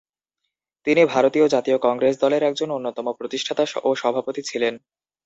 তিনি ভারতীয় জাতীয় কংগ্রেস দলের একজন অন্যতম প্রতিষ্ঠাতা ও সভাপতি ছিলেন।